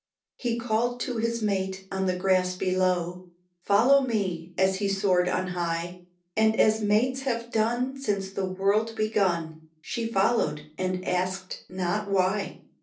He called to his mate on the grass below, "Follow me," as he soared on high; And as mates have done since the world begun She followed, and asked not why.